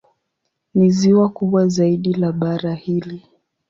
Ni ziwa kubwa zaidi la bara hili.